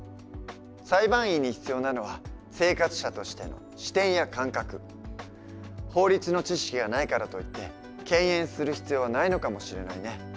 裁判員に必要なのは法律の知識がないからといって敬遠する必要はないのかもしれないね。